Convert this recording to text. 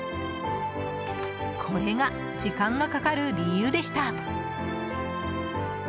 これが時間がかかる理由でした。